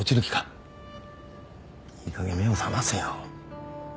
いいかげん目を覚ませよ。